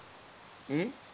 うん？